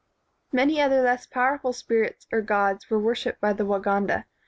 Many other less powerful spirits or gods were worshiped by the Waganda.